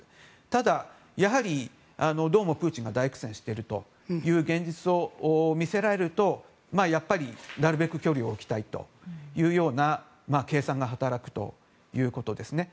ただ、やはりどうもプーチンが大苦戦しているという現実を見せられるとやっぱりなるべく距離を置きたいというような計算が働くということですね。